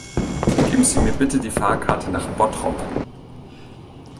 Geben Sie mir bitte die Fahrkarte nach Bottrop